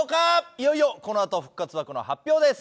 いよいよこのあと復活枠の発表です。